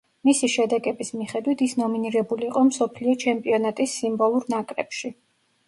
მისი შედეგების მიხედვით, ის ნომინირებული იყო „მსოფლიო ჩემპიონატის სიმბოლურ ნაკრებში“.